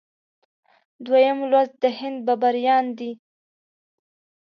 دویم لوست د هند بابریان دي.